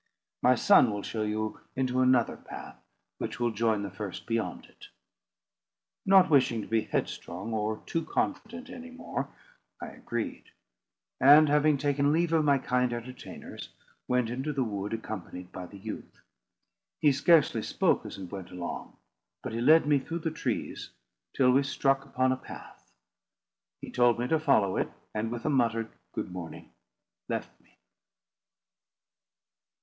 My son will show you into another path, which will join the first beyond it." Not wishing to be headstrong or too confident any more, I agreed; and having taken leave of my kind entertainers, went into the wood, accompanied by the youth. He scarcely spoke as we went along; but he led me through the trees till we struck upon a path. He told me to follow it, and, with a muttered "good morning" left me.